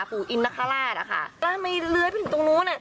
ปู่อินนคราชอ่ะค่ะแล้วทำไมเลื้อยไปถึงตรงนู้นอ่ะ